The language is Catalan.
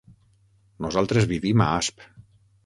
Nosaltres vivim a Asp.